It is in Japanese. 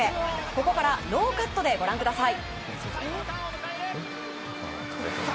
ここからノーカットでご覧ください。